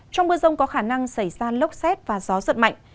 trong mưa rông có khả năng xảy ra lốc xét và gió giật mạnh